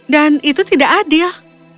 dan itu tidak adil